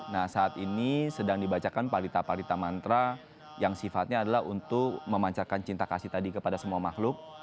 nah saat ini sedang dibacakan palita balita mantra yang sifatnya adalah untuk memancarkan cinta kasih tadi kepada semua makhluk